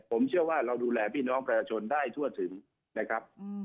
ผมเชื่อว่าเราดูแลพี่น้องประชาชนได้ทั่วถึงนะครับ